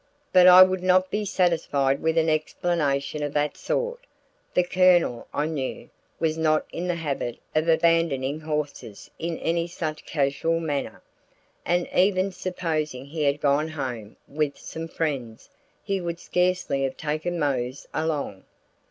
But I would not be satisfied with an explanation of that sort. The Colonel, I knew, was not in the habit of abandoning horses in any such casual manner; and even supposing he had gone home with some friends, he would scarcely have taken Mose along.